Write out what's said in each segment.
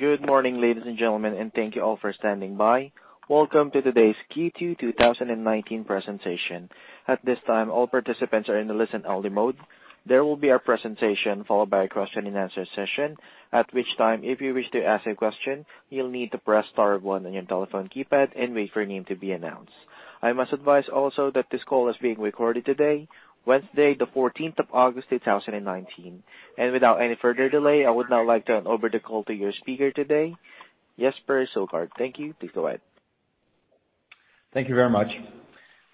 Good morning, ladies and gentlemen, and thank you all for standing by. Welcome to today's Q2 2019 presentation. At this time, all participants are in a listen-only mode. There will be a presentation, followed by a question and answer session, at which time, if you wish to ask a question, you'll need to press star one on your telephone keypad and wait for your name to be announced. I must advise also that this call is being recorded today, Wednesday, the 14th of August, 2019. Without any further delay, I would now like to hand over the call to your speaker today, Jesper Søgaard. Thank you. Please go ahead. Thank you very much.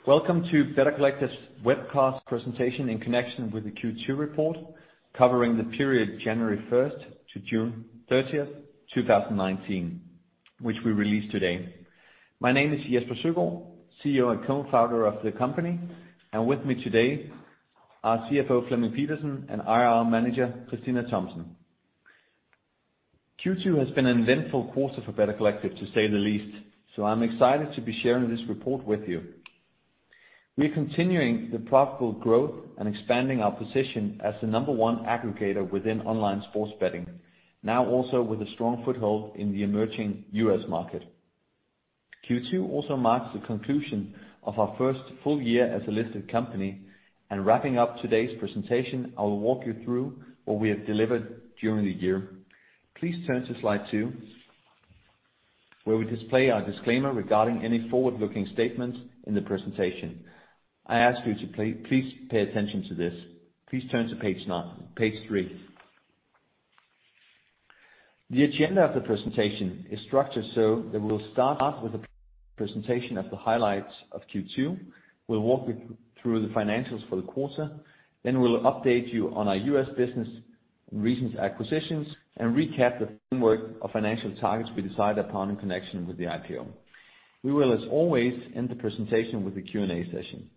Welcome to Better Collective's webcast presentation in connection with the Q2 report, covering the period January 1st to June 30th, 2019, which we release today. My name is Jesper Søgaard, CEO and co-founder of the company. With me today are CFO Flemming Pedersen and IR Manager Christina Thomsen. Q2 has been an eventful quarter for Better Collective, to say the least. I'm excited to be sharing this report with you. We're continuing the profitable growth and expanding our position as the number one aggregator within online sports betting, now also with a strong foothold in the emerging U.S. market. Q2 also marks the conclusion of our first full year as a listed company, and wrapping up today's presentation, I will walk you through what we have delivered during the year. Please turn to slide two, where we display our disclaimer regarding any forward-looking statements in the presentation. I ask you to please pay attention to this. Please turn to page three. The agenda of the presentation is structured so that we'll start off with a presentation of the highlights of Q2. We'll walk you through the financials for the quarter, then we'll update you on our U.S. business and recent acquisitions, and recap the framework of financial targets we decided upon in connection with the IPO. We will, as always, end the presentation with a Q&A session.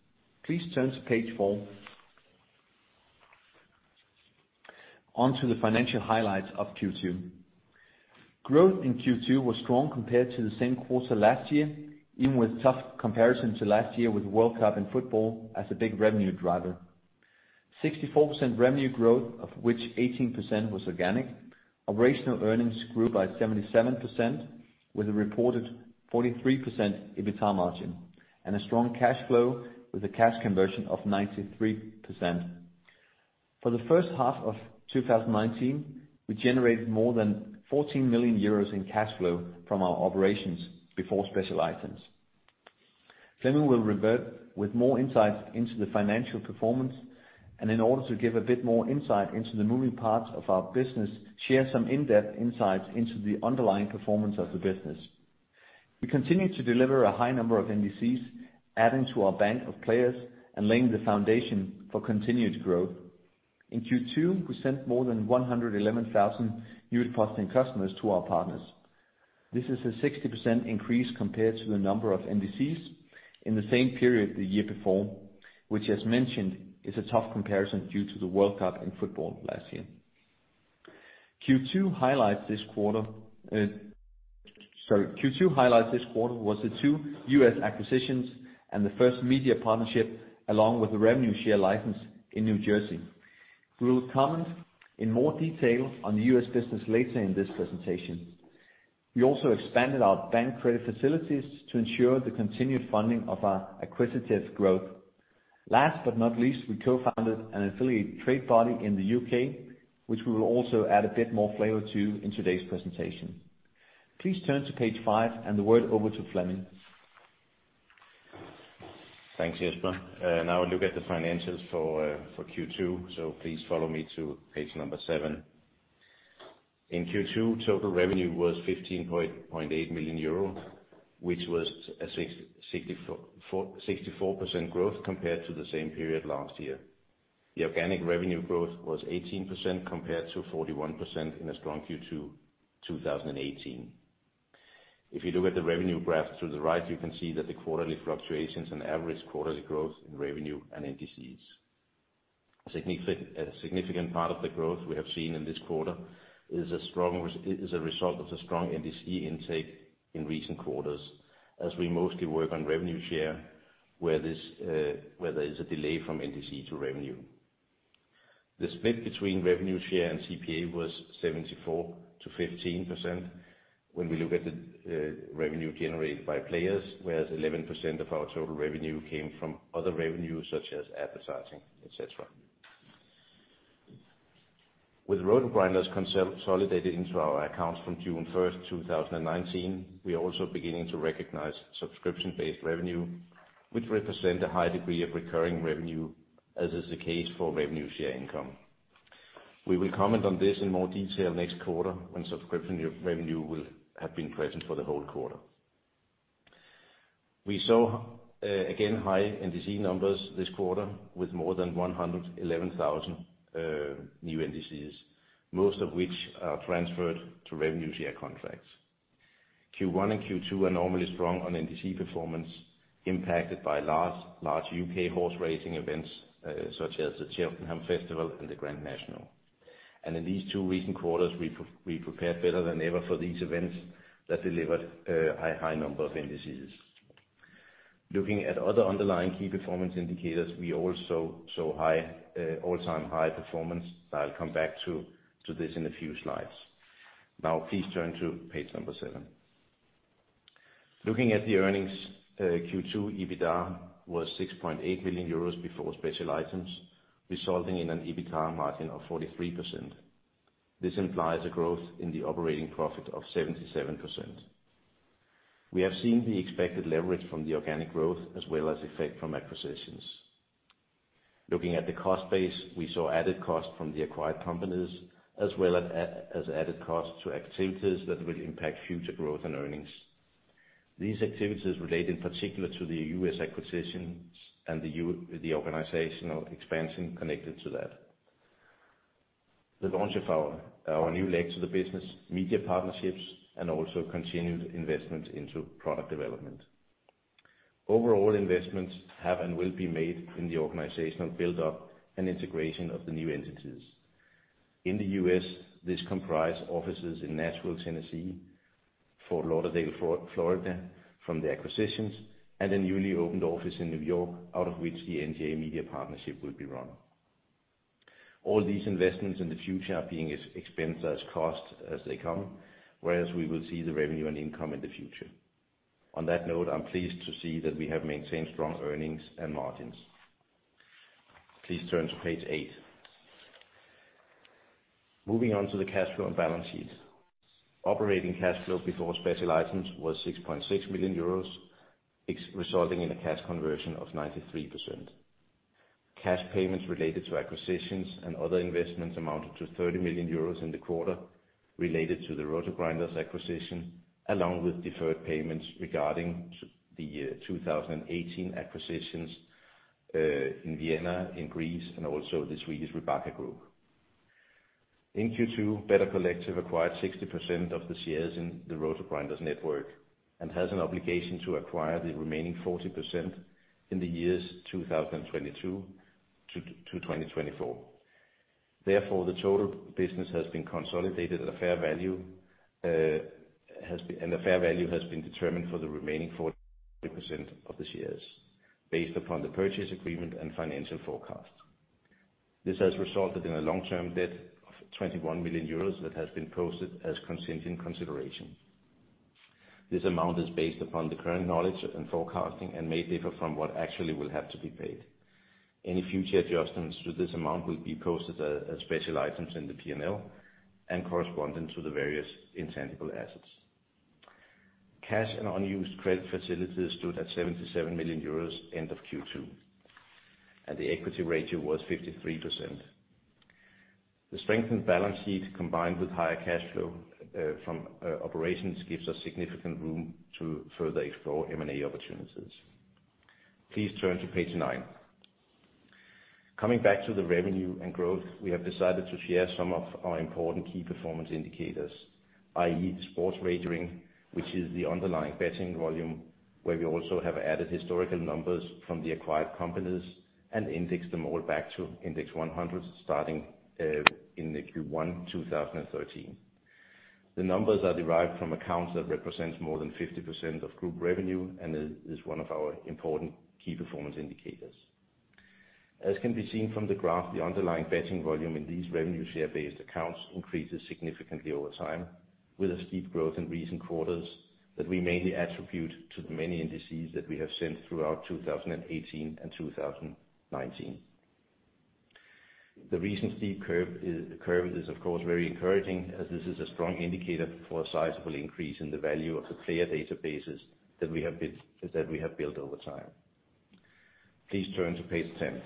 Please turn to page four. On to the financial highlights of Q2. Growth in Q2 was strong compared to the same quarter last year, even with tough comparison to last year with the World Cup in football as a big revenue driver. 64% revenue growth, of which 18% was organic. Operational earnings grew by 77%, with a reported 43% EBITA margin, and a strong cash flow with a cash conversion of 93%. For the first half of 2019, we generated more than 14 million euros in cash flow from our operations before special items. Flemming will revert with more insights into the financial performance, and in order to give a bit more insight into the moving parts of our business, share some in-depth insights into the underlying performance of the business. We continue to deliver a high number of NDCs, adding to our bank of players and laying the foundation for continued growth. In Q2, we sent more than 111,000 new depositing customers to our partners. This is a 60% increase compared to the number of NDCs in the same period the year before, which, as mentioned, is a tough comparison due to the World Cup in football last year. Q2 highlights this quarter was the two U.S. acquisitions and the first media partnership along with the revenue share license in New Jersey. We will comment in more detail on the U.S. business later in this presentation. We also expanded our bank credit facilities to ensure the continued funding of our acquisitive growth. Last but not least, we co-funded an affiliate trade body in the U.K., which we will also add a bit more flavor to in today's presentation. Please turn to page five, and the word over to Flemming. Thanks, Jesper. A look at the financials for Q2, please follow me to page number seven. In Q2, total revenue was €15.8 million, which was a 64% growth compared to the same period last year. The organic revenue growth was 18%, compared to 41% in a strong Q2 2018. If you look at the revenue graph to the right, you can see that the quarterly fluctuations and average quarterly growth in revenue and NDCs. A significant part of the growth we have seen in this quarter is a result of the strong NDC intake in recent quarters, as we mostly work on revenue share, where there is a delay from NDC to revenue. The split between revenue share and CPA was 74% to 15% when we look at the revenue generated by players, whereas 11% of our total revenue came from other revenue such as advertising, et cetera. With RotoGrinders consolidated into our accounts from June 1st, 2019, we are also beginning to recognize subscription-based revenue, which represent a high degree of recurring revenue, as is the case for revenue share income. We will comment on this in more detail next quarter when subscription revenue will have been present for the whole quarter. We saw, again, high NDC numbers this quarter with more than 111,000 new NDCs, most of which are transferred to revenue share contracts. Q1 and Q2 are normally strong on NDC performance, impacted by large U.K. horse racing events such as the Cheltenham Festival and the Grand National. In these two recent quarters, we prepared better than ever for these events that delivered a high number of NDCs. Looking at other underlying key performance indicators, we also saw all-time high performance. I'll come back to this in a few slides. Now, please turn to page number seven. Looking at the earnings, Q2 EBITDA was 6.8 million euros before special items, resulting in an EBITDA margin of 43%. This implies a growth in the operating profit of 77%. We have seen the expected leverage from the organic growth as well as effect from acquisitions. Looking at the cost base, we saw added cost from the acquired companies, as well as added cost to activities that will impact future growth and earnings. These activities relate in particular to the U.S. acquisitions and the organizational expansion connected to that. The launch of our new leg to the business, media partnerships, and also continued investment into product development. Overall investments have and will be made in the organizational buildup and integration of the new entities. In the U.S., this comprise offices in Nashville, Tennessee, Fort Lauderdale, Florida from the acquisitions, and a newly opened office in New York, out of which the N.J. media partnership will be run. All these investments in the future are being expensed as cost as they come, whereas we will see the revenue and income in the future. On that note, I'm pleased to see that we have maintained strong earnings and margins. Please turn to page eight. Moving on to the cash flow and balance sheet. Operating cash flow before special items was 6.6 million euros, resulting in a cash conversion of 93%. Cash payments related to acquisitions and other investments amounted to 30 million euros in the quarter, related to the RotoGrinders acquisition, along with deferred payments regarding the 2018 acquisitions, in Vienna, in Greece, and also the Swedish Ribacka Group. In Q2, Better Collective acquired 60% of the shares in the RotoGrinders network and has an obligation to acquire the remaining 40% in the years 2022 to 2024. Therefore, the total business has been consolidated at a fair value, and the fair value has been determined for the remaining 40% of the shares based upon the purchase agreement and financial forecast. This has resulted in a long-term debt of 21 million euros that has been posted as contingent consideration. This amount is based upon the current knowledge and forecasting and may differ from what actually will have to be paid. Any future adjustments to this amount will be posted as special items in the P&L and corresponding to the various intangible assets. Cash and unused credit facilities stood at 77 million euros end of Q2, and the equity ratio was 53%. The strengthened balance sheet combined with higher cash flow from operations gives us significant room to further explore M&A opportunities. Please turn to page nine. Coming back to the revenue and growth, we have decided to share some of our important key performance indicators, i.e. the sports wagering, which is the underlying betting volume, where we also have added historical numbers from the acquired companies and indexed them all back to index 100 starting in the Q1 2013. The numbers are derived from accounts that represents more than 50% of group revenue and is one of our important key performance indicators. As can be seen from the graph, the underlying betting volume in these revenue share-based accounts increases significantly over time, with a steep growth in recent quarters that we mainly attribute to the many indices that we have sent throughout 2018 and 2019. The recent steep curve is, of course, very encouraging as this is a strong indicator for a sizable increase in the value of the player databases that we have built over time. Please turn to page 10.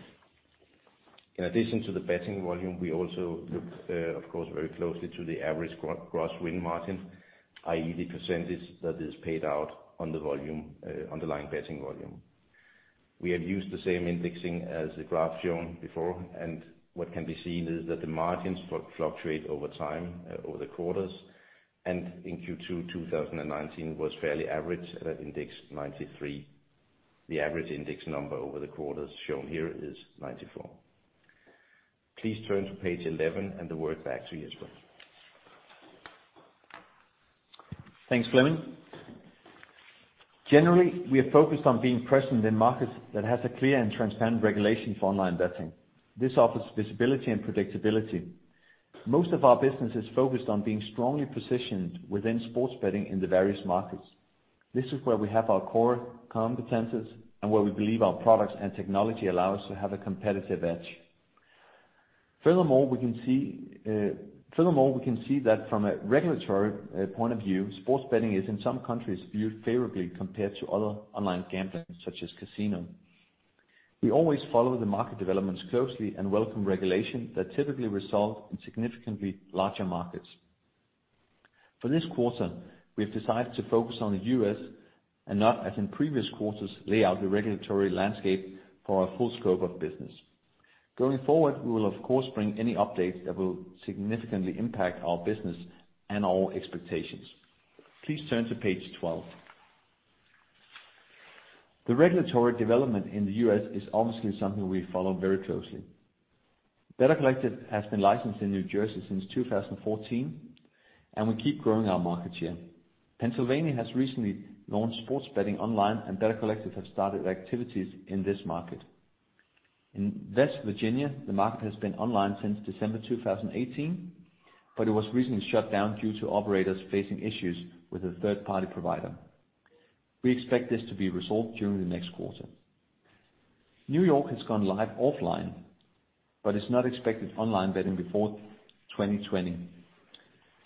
In addition to the betting volume, we also look, of course, very closely to the average gross win margin, i.e. the percentage that is paid out on the underlying betting volume. We have used the same indexing as the graph shown before, and what can be seen is that the margins fluctuate over time, over the quarters, and in Q2 2019 was fairly average at index 93. The average index number over the quarters shown here is 94. Please turn to page 11, and the word back to Jesper. Thanks, Flemming. Generally, we are focused on being present in markets that has a clear and transparent regulation for online betting. This offers visibility and predictability. Most of our business is focused on being strongly positioned within sports betting in the various markets. This is where we have our core competencies and where we believe our products and technology allow us to have a competitive edge. Furthermore, we can see that from a regulatory point of view, sports betting is in some countries viewed favorably compared to other online gambling, such as casino. We always follow the market developments closely and welcome regulation that typically result in significantly larger markets. For this quarter, we've decided to focus on the U.S. and not, as in previous quarters, lay out the regulatory landscape for our full scope of business. Going forward, we will of course bring any updates that will significantly impact our business and our expectations. Please turn to page 12. The regulatory development in the U.S. is obviously something we follow very closely. Better Collective has been licensed in New Jersey since 2014, and we keep growing our market share. Pennsylvania has recently launched sports betting online, and Better Collective have started activities in this market. In West Virginia, the market has been online since December 2018, but it was recently shut down due to operators facing issues with a third-party provider. We expect this to be resolved during the next quarter. New York has gone live offline, but is not expected online betting before 2020.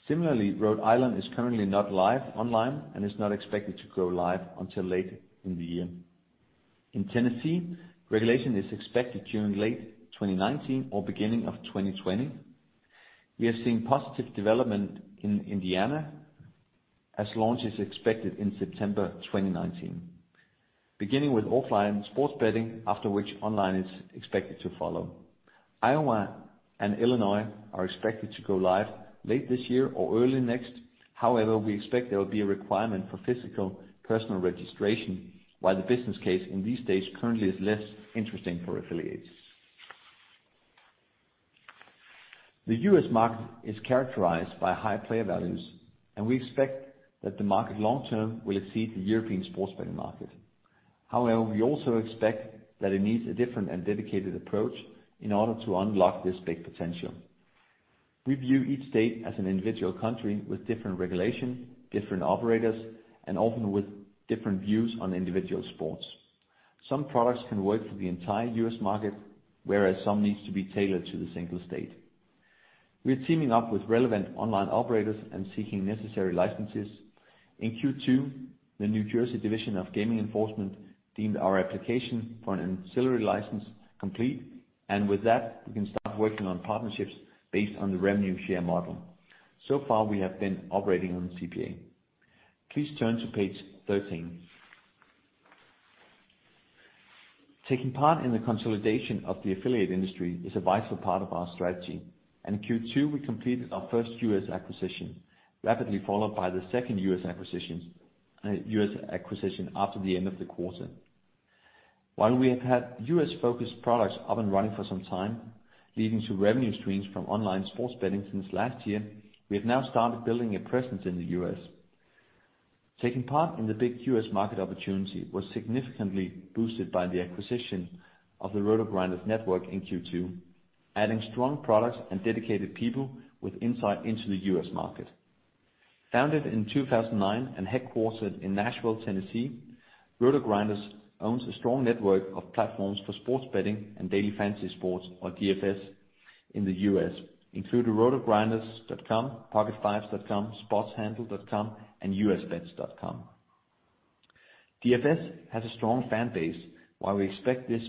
Similarly, Rhode Island is currently not live online, and is not expected to go live until later in the year. In Tennessee, regulation is expected during late 2019 or beginning of 2020. We are seeing positive development in Indiana as launch is expected in September 2019, beginning with offline sports betting, after which online is expected to follow. Iowa and Illinois are expected to go live late this year or early next. However, we expect there will be a requirement for physical personal registration, while the business case in these states currently is less interesting for affiliates. The U.S. market is characterized by high player values, and we expect that the market long-term will exceed the European sports betting market. However, we also expect that it needs a different and dedicated approach in order to unlock this big potential. We view each state as an individual country with different regulation, different operators, and often with different views on individual sports. Some products can work for the entire U.S. market, whereas some needs to be tailored to the single state. We are teaming up with relevant online operators and seeking necessary licenses. In Q2, the New Jersey Division of Gaming Enforcement deemed our application for an ancillary license complete, with that we can start working on partnerships based on the revenue share model. So far, we have been operating on the CPA. Please turn to page 13. Taking part in the consolidation of the affiliate industry is a vital part of our strategy. In Q2, we completed our first U.S. acquisition, rapidly followed by the second U.S. acquisition after the end of the quarter. While we have had U.S.-focused products up and running for some time, leading to revenue streams from online sports betting since last year, we have now started building a presence in the U.S. Taking part in the big U.S. market opportunity was significantly boosted by the acquisition of the RotoGrinders network in Q2, adding strong products and dedicated people with insight into the U.S. market. Founded in 2009 and headquartered in Nashville, Tennessee, RotoGrinders owns a strong network of platforms for sports betting and daily fantasy sports, or DFS, in the U.S., including rotogrinders.com, pocketfives.com, sportshandle.com and usbets.com. DFS has a strong fan base while we expect this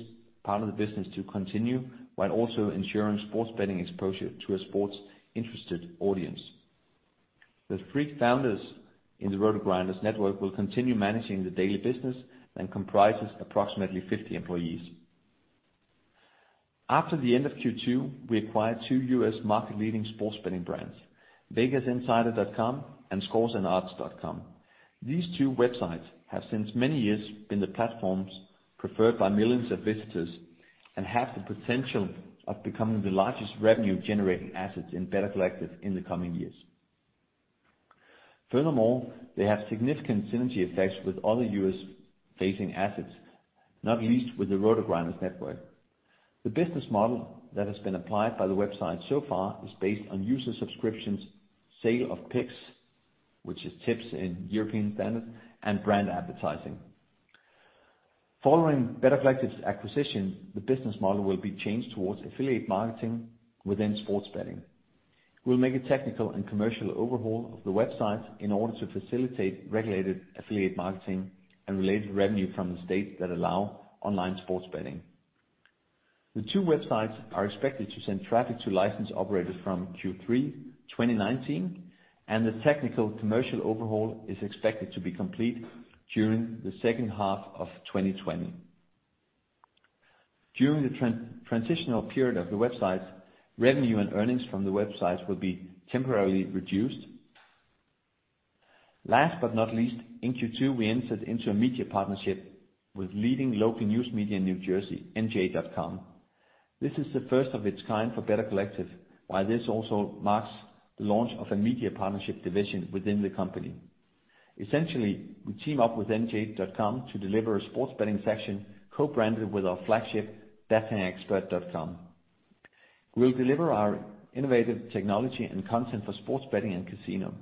part of the business to continue, while also ensuring sports betting exposure to a sports-interested audience. The three founders in the RotoGrinders network will continue managing the daily business and comprises approximately 50 employees. After the end of Q2, we acquired two U.S. market-leading sports betting brands, vegasinsider.com and scoresandodds.com. These two websites have since many years been the platforms preferred by millions of visitors and have the potential of becoming the largest revenue-generating assets in Better Collective in the coming years. Furthermore, they have significant synergy effects with other U.S.-facing assets, not least with the RotoGrinders network. The business model that has been applied by the website so far is based on user subscriptions, sale of picks, which is tips in European standard, and brand advertising. Following Better Collective's acquisition, the business model will be changed towards affiliate marketing within sports betting. We'll make a technical and commercial overhaul of the website in order to facilitate regulated affiliate marketing and related revenue from the states that allow online sports betting. The two websites are expected to send traffic to licensed operators from Q3 2019, and the technical commercial overhaul is expected to be complete during the second half of 2020. During the transitional period of the websites, revenue and earnings from the websites will be temporarily reduced. Last but not least, in Q2, we entered into a media partnership with leading local news media in New Jersey, nj.com. This is the first of its kind for Better Collective, while this also marks the launch of a media partnership division within the company. Essentially, we team up with nj.com to deliver a sports betting section co-branded with our flagship bettingexpert.com. We'll deliver our innovative technology and content for sports betting and casino.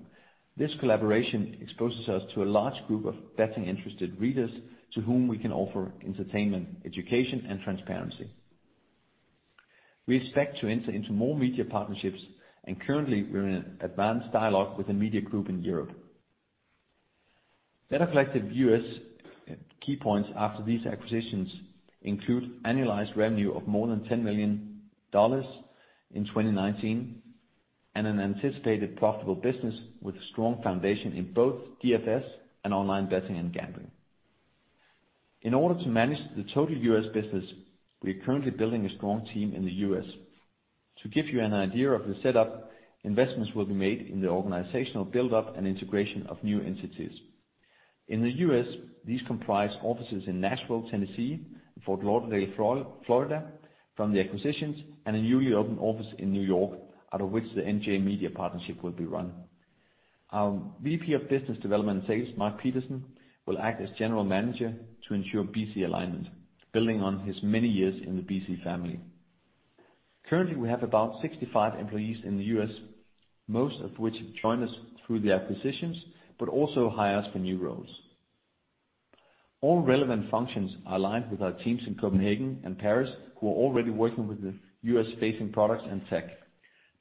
This collaboration exposes us to a large group of betting-interested readers to whom we can offer entertainment, education, and transparency. We expect to enter into more media partnerships. Currently, we're in advanced dialogue with a media group in Europe. Better Collective U.S. key points after these acquisitions include annualized revenue of more than $10 million in 2019 and an anticipated profitable business with a strong foundation in both DFS and online betting and gambling. In order to manage the total U.S. business, we are currently building a strong team in the U.S. To give you an idea of the setup, investments will be made in the organizational buildup and integration of new entities. In the U.S., these comprise offices in Nashville, Tennessee, and Fort Lauderdale, Florida from the acquisitions, and a newly opened office in New York, out of which the N.J. Media partnership will be run. Our VP of Business Development and Sales, Marc Pedersen, will act as general manager to ensure BC alignment, building on his many years in the BC family. Currently, we have about 65 employees in the U.S., most of which have joined us through the acquisitions, but also hires for new roles. All relevant functions are aligned with our teams in Copenhagen and Paris, who are already working with the U.S.-facing products and tech.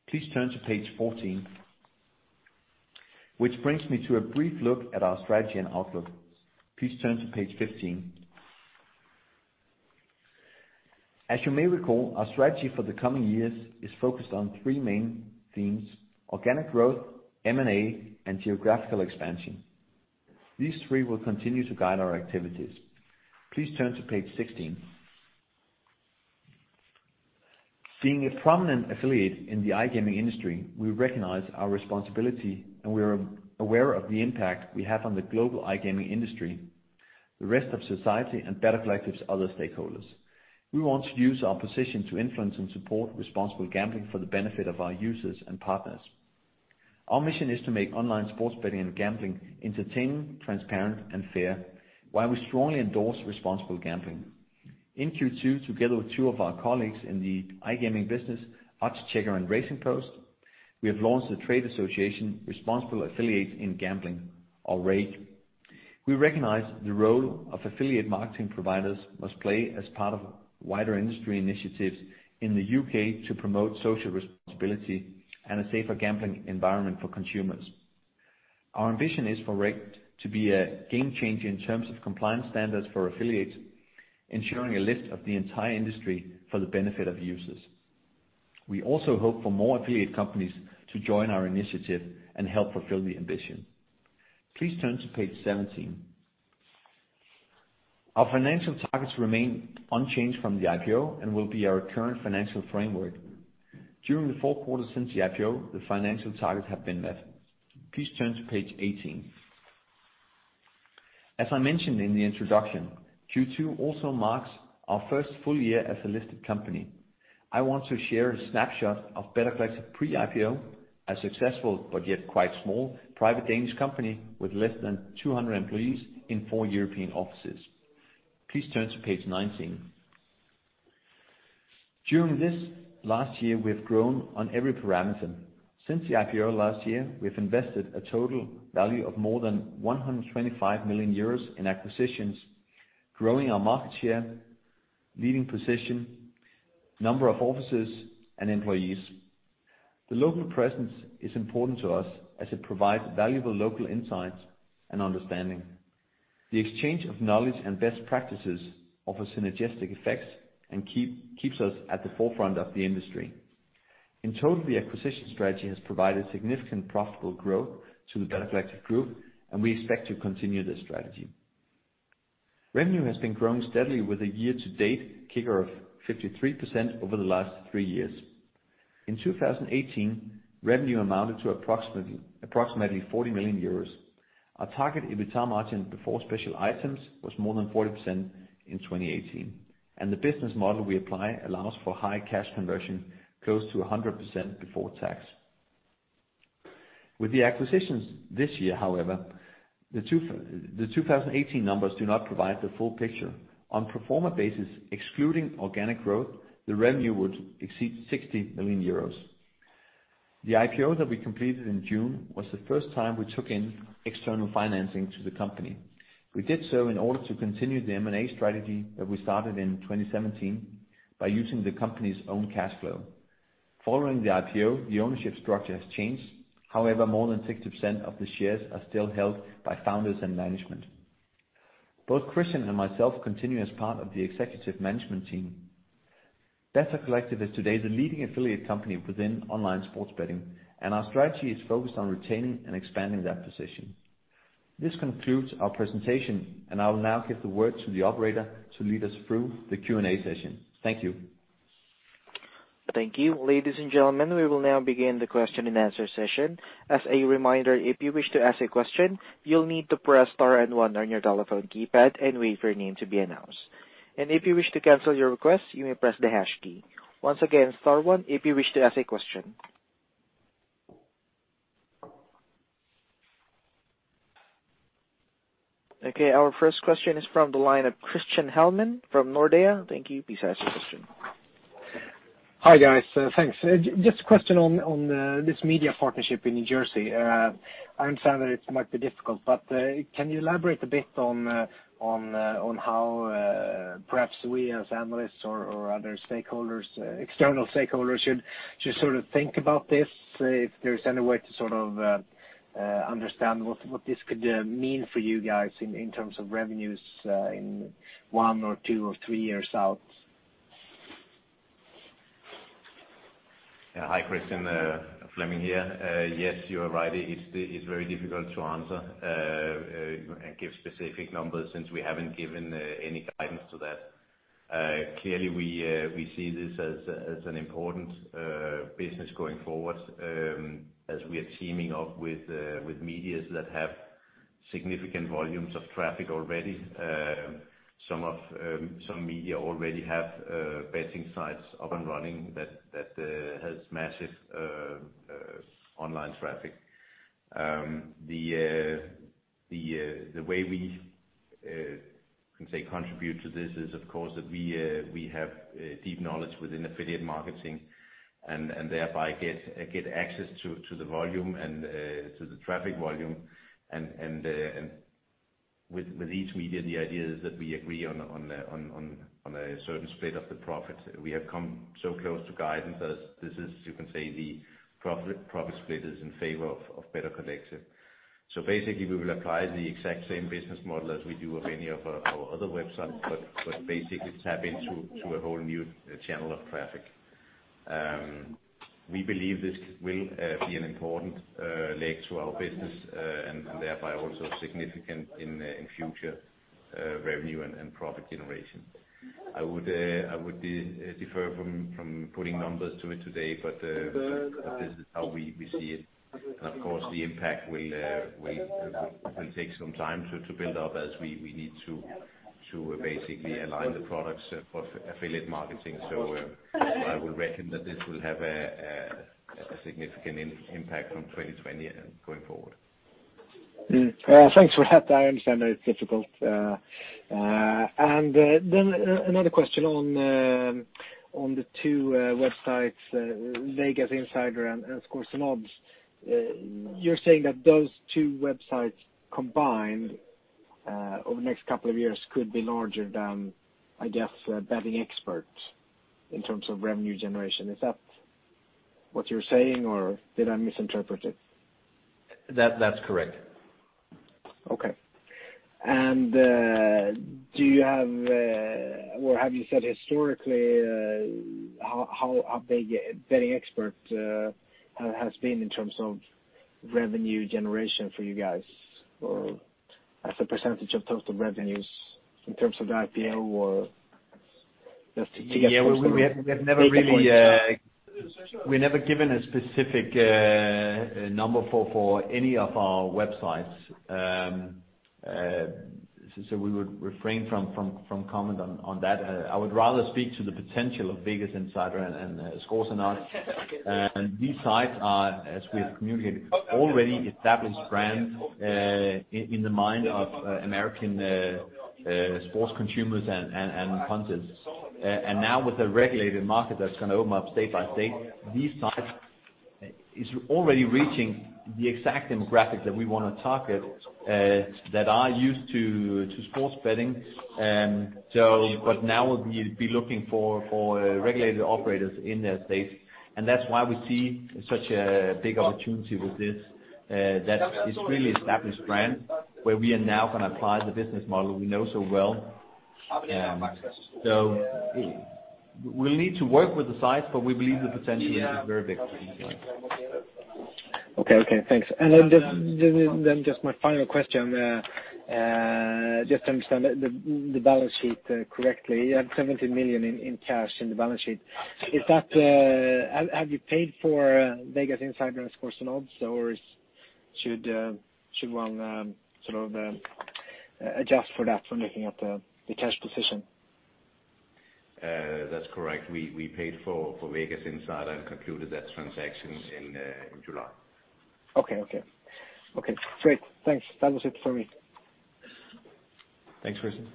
Please turn to page 14. Which brings me to a brief look at our strategy and outlook. Please turn to page 15. As you may recall, our strategy for the coming years is focused on three main themes, organic growth, M&A, and geographical expansion. These three will continue to guide our activities. Please turn to page 16. Being a prominent affiliate in the iGaming industry, we recognize our responsibility, and we are aware of the impact we have on the global iGaming industry, the rest of society, and Better Collective's other stakeholders. We want to use our position to influence and support responsible gambling for the benefit of our users and partners. Our mission is to make online sports betting and gambling entertaining, transparent, and fair, while we strongly endorse responsible gambling. In Q2, together with two of our colleagues in the iGaming business, Oddschecker and Racing Post, we have launched a trade association, Responsible Affiliates in Gambling or RAG. We recognize the role affiliate marketing providers must play as part of wider industry initiatives in the U.K. to promote social responsibility and a safer gambling environment for consumers. Our ambition is for RAG to be a game-changer in terms of compliance standards for affiliates, ensuring a list of the entire industry for the benefit of users. We also hope for more affiliate companies to join our initiative and help fulfill the ambition. Please turn to page 17. Our financial targets remain unchanged from the IPO and will be our current financial framework. During the four quarters since the IPO, the financial targets have been met. Please turn to page 18. As I mentioned in the introduction, Q2 also marks our first full year as a listed company. I want to share a snapshot of Better Collective pre-IPO, a successful but yet quite small private Danish company with less than 200 employees in four European offices. Please turn to page 19. During this last year, we have grown on every parameter. Since the IPO last year, we've invested a total value of more than 125 million euros in acquisitions, growing our market share, leading position, number of offices, and employees. The local presence is important to us as it provides valuable local insights and understanding. The exchange of knowledge and best practices offers synergistic effects and keeps us at the forefront of the industry. In total, the acquisition strategy has provided significant profitable growth to the Better Collective group, and we expect to continue this strategy. Revenue has been growing steadily with a year-to-date CAGR of 53% over the last three years. In 2018, revenue amounted to approximately 40 million euros. Our target EBITA margin before special items was more than 40% in 2018, and the business model we apply allows for high cash conversion close to 100% before tax. With the acquisitions this year, however, the 2018 numbers do not provide the full picture. On pro forma basis, excluding organic growth, the revenue would exceed 60 million euros. The IPO that we completed in June was the first time we took in external financing to the company. We did so in order to continue the M&A strategy that we started in 2017 by using the company's own cash flow. Following the IPO, the ownership structure has changed. However, more than 60% of the shares are still held by founders and management. Both Christian and myself continue as part of the executive management team. Better Collective is today the leading affiliate company within online sports betting, and our strategy is focused on retaining and expanding that position. This concludes our presentation, and I will now give the word to the operator to lead us through the Q&A session. Thank you. Thank you. Ladies and gentlemen, we will now begin the question and answer session. As a reminder, if you wish to ask a question, you'll need to press star and one on your telephone keypad and wait for your name to be announced. If you wish to cancel your request, you may press the hash key. Once again, star one if you wish to ask a question. Okay, our first question is from the line of Christian Hellman from Nordea. Thank you. Please ask your question. Hi, guys. Thanks. Just a question on this media partnership in New Jersey. I understand that it might be difficult, but can you elaborate a bit on how perhaps we as analysts or other external stakeholders should sort of think about this, if there's any way to sort of understand what this could mean for you guys in terms of revenues in one or two or three years out? Hi, Christian. Flemming here. Yes, you are right. It's very difficult to answer and give specific numbers since we haven't given any guidance to that Clearly, we see this as an important business going forward as we are teaming up with media that have significant volumes of traffic already. Some media already have betting sites up and running that have massive online traffic. The way we, you can say, contribute to this is, of course, that we have deep knowledge within affiliate marketing, and thereby get access to the traffic volume. With each media, the idea is that we agree on a certain split of the profit. We have come so close to guidance as this is, you can say, the profit split is in favor of Better Collective. Basically, we will apply the exact same business model as we do with any of our other websites, but basically tap into a whole new channel of traffic. We believe this will be an important leg to our business, therefore also significant in future revenue and profit generation. I would defer from putting numbers to it today, this is how we see it. Of course, the impact will take some time to build up as we need to basically align the products for affiliate marketing. I would reckon that this will have a significant impact from 2020 and going forward. Thanks for that. I understand that it's difficult. Another question on the two websites, VegasInsider and ScoresAndOdds. You're saying that those two websites combined over the next couple of years could be larger than, I guess, bettingexpert in terms of revenue generation. Is that what you're saying, or did I misinterpret it? That's correct. Okay. Do you have or have you said historically, how big bettingexpert has been in terms of revenue generation for you guys or as a percentage of total revenues in terms of the IPO or just to get-? Yeah. Some points. We never given a specific number for any of our websites. We would refrain from comment on that. I would rather speak to the potential of VegasInsider and ScoresAndOdds. These sites are, as we have communicated, already established brands in the mind of U.S. sports consumers and punters. now with a regulated market that's going to open up state by state, these sites is already reaching the exact demographic that we want to target, that are used to sports betting. now will be looking for regulated operators in their states. that's why we see such a big opportunity with this that is really established brand, where we are now going to apply the business model we know so well. We'll need to work with the sites, but we believe the potential is very big. Okay. Thanks. My final question, just to understand the balance sheet correctly. You have 70 million in cash in the balance sheet. Have you paid for VegasInsider and ScoresAndOdds, or should one sort of adjust for that from looking at the cash position? That's correct. We paid for VegasInsider and concluded that transaction in July. Okay. Great. Thanks. That was it for me. Thanks, Christian.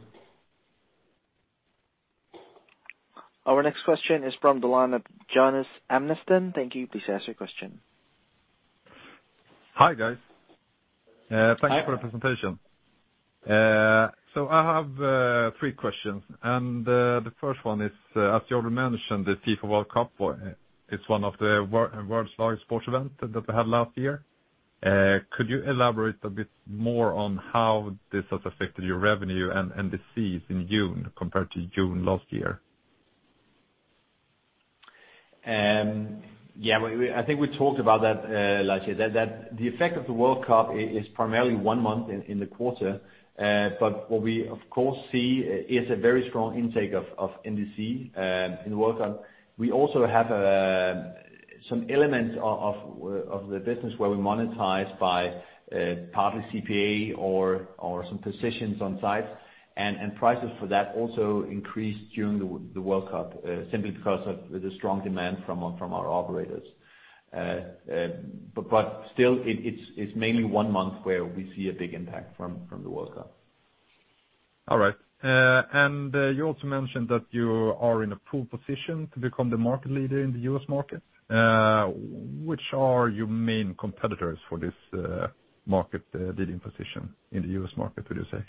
Our next question is from the line of Jonas Amnesten. Thank you. Please ask your question. Hi, guys. Hi. Thank you for the presentation. I have three questions. The first one is, as you already mentioned, the FIFA World Cup is one of the world's largest sports event that we had last year. Could you elaborate a bit more on how this has affected your revenue and the fees in June compared to June last year? I think we talked about that last year, that the effect of the World Cup is primarily one month in the quarter. What we of course see is a very strong intake of NDC in the World Cup. We also have some elements of the business where we monetize by partly CPA or some positions on sites. Prices for that also increased during the World Cup, simply because of the strong demand from our operators. Still, it's mainly one month where we see a big impact from the World Cup. All right. You also mentioned that you are in a pole position to become the market leader in the U.S. market. Which are your main competitors for this market leading position in the U.S. market, would you say?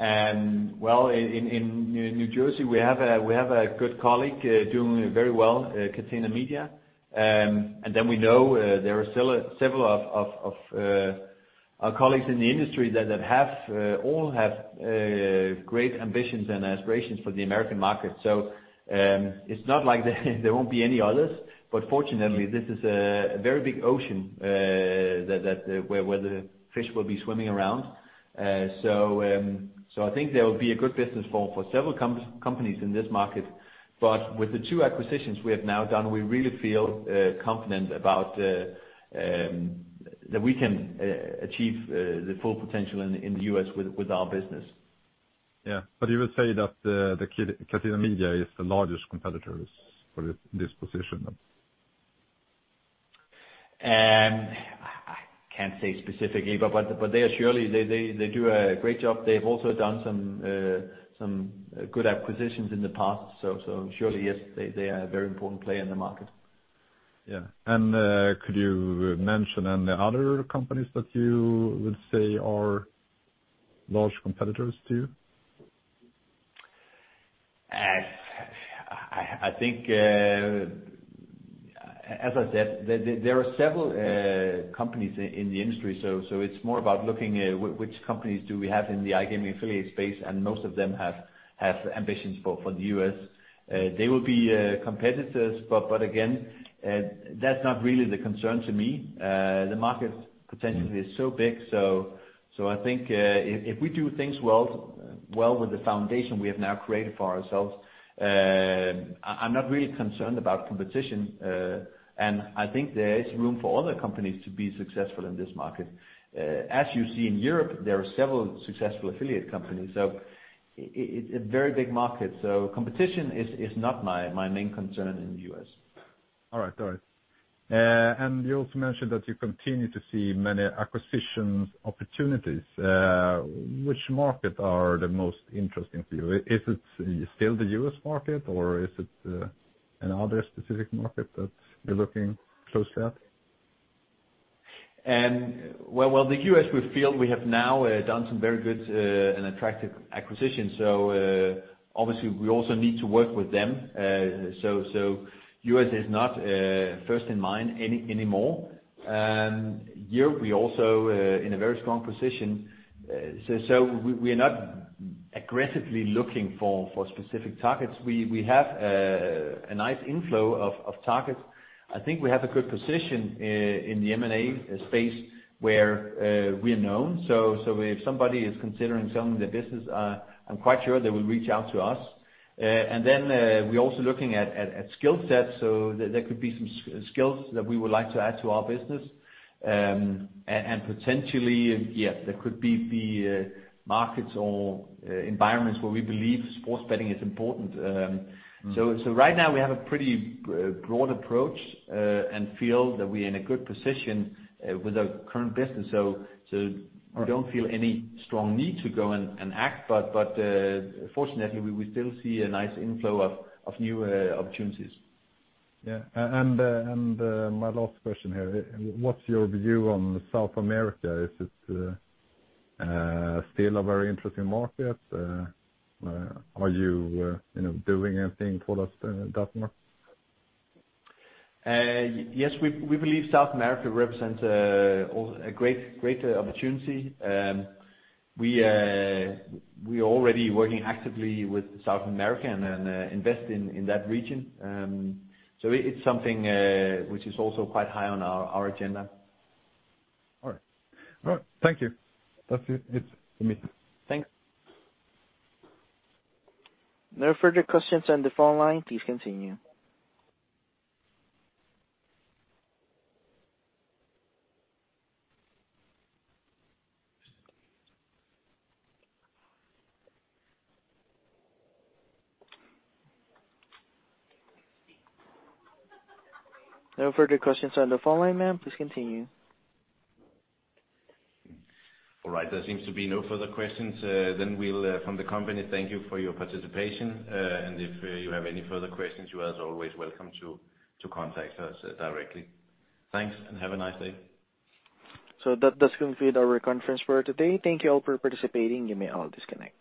In New Jersey, we have a good colleague doing very well, Catena Media. We know there are still several of our colleagues in the industry that have all have great ambitions and aspirations for the American market. It's not like there won't be any others, but fortunately, this is a very big ocean where the fish will be swimming around. I think there will be a good business for several companies in this market. With the two acquisitions we have now done, we really feel confident that we can achieve the full potential in the U.S. with our business. Yeah. You would say that the Catena Media is the largest competitor for this position? I can't say specifically, but they do a great job. They've also done some good acquisitions in the past. Surely, yes, they are a very important player in the market. Yeah. Could you mention any other companies that you would say are large competitors to you? I think, as I said, there are several companies in the industry. It's more about looking at which companies do we have in the iGaming affiliate space, and most of them have ambitions for the U.S. They will be competitors, but again, that's not really the concern to me. The market potentially is so big. I think if we do things well with the foundation we have now created for ourselves, I'm not really concerned about competition. I think there is room for other companies to be successful in this market. As you see in Europe, there are several successful affiliate companies. It's a very big market. Competition is not my main concern in the U.S. All right. You also mentioned that you continue to see many acquisition opportunities. Which market are the most interesting for you? Is it still the U.S. market or is it another specific market that you're looking close at? Well, the U.S., we feel we have now done some very good and attractive acquisitions. Obviously we also need to work with them. U.S. is not first in mind anymore. Europe, we're also in a very strong position. We are not aggressively looking for specific targets. We have a nice inflow of targets. I think we have a good position in the M&A space where we are known. If somebody is considering selling their business, I'm quite sure they will reach out to us. Then we're also looking at skill sets, so there could be some skills that we would like to add to our business. Potentially, yes, there could be markets or environments where we believe sports betting is important. Right now we have a pretty broad approach and feel that we are in a good position with our current business. We don't feel any strong need to go and act. Fortunately, we still see a nice inflow of new opportunities. Yeah. My last question here, what's your view on South America? Is it still a very interesting market? Are you doing anything for that market? Yes, we believe South America represents a great opportunity. We are already working actively with South America and invest in that region. It's something which is also quite high on our agenda. All right. Thank you. That's it for me. Thanks. No further questions on the phone line. Please continue. No further questions on the phone line, ma'am. Please continue. All right. There seems to be no further questions. We'll, from the company, thank you for your participation. If you have any further questions, you are as always welcome to contact us directly. Thanks and have a nice day. That does conclude our conference for today. Thank you all for participating. You may all disconnect.